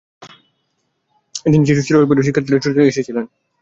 এদিন হূদয়ের টানে প্রাক্তন শিক্ষার্থীরা ছুটে এসেছিলেন ফেলে যাওয়া সেই চিরসবুজের ক্যাম্পাসে।